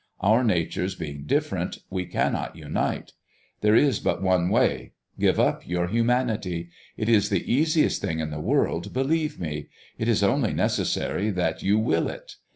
Our natures being different, we cannot unite. There is but one way. Give up your humanity. It is the easiest thing in the world, believe me. It is only necessary that you will it.